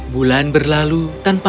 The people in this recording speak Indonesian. bulan berlalu tanpa ada teman teman